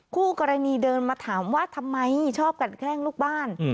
คู่กรณีเดินมาถามว่าทำไมชอบกันแกล้งลูกบ้าน